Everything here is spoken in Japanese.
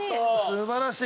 素晴らしい。